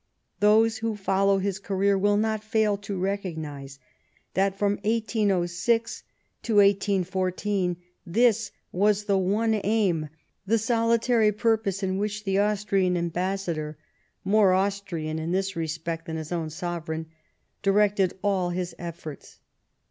Those who follow his career will not fail to recognise that from 1806 to 1814 this was the one aim, the solitary purpose, to which the Austrian ambassador, more Austrian in this respect than his own sovereign, directed all his efforts.